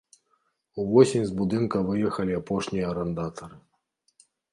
Увосень з будынка выехалі апошнія арандатары.